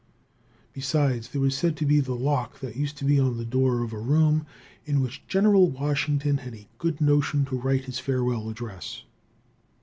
Besides, there was said to be the lock that used to be on the door of a room in which General Washington had a good notion to write his farewell address.